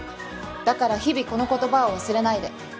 だから日々この言葉を忘れないで。